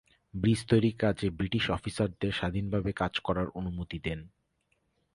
Bridge তৈরির কাজে British অফিসারদের স্বাধীনভাবে কাজ করার অনুমতি দেন।